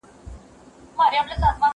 انځور وګوره!